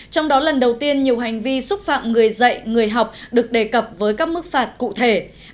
trong đó lần đầu tiên nhiều hành vi xúc phạm người dạy người học được đề cập với các mức phạt cụ thể